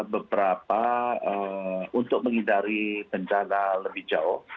beberapa untuk menghindari bencana lebih jauh